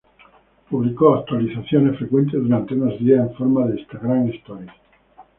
Publicó actualizaciones frecuentes durante unos días en forma de Instagram Stories.